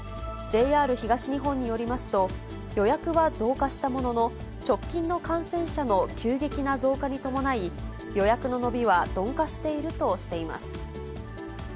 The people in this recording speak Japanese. ＪＲ東日本によりますと、予約は増加したものの、直近の感染者の急激な増加に伴い、予約の伸びは鈍化しているとしています。